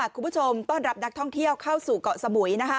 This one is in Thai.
คุณผู้ชมต้อนรับนักท่องเที่ยวเข้าสู่เกาะสมุย